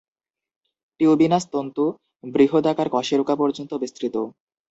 টিউবিনাস তন্তু বৃহদাকার কশেরুকা পর্যন্ত বিস্তৃত।